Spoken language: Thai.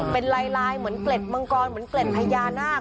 เป็นลายเหมือนเกล็ดมังกรเหมือนเกล็ดพญานาค